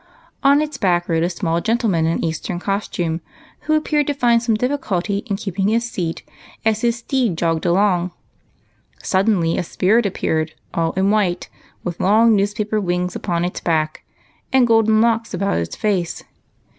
On its back rode a small gen tleman in Eastern costume, who appeared to find some 156 EIGHT COUSINS. difficulty in keeping his seat as his steed jogged along. Suddenly a spirit appeared, all in white, with long newspaper wings upon its back and golden locks about its face.